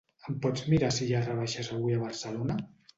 Em pots mirar si hi ha rebaixes avui a Barcelona?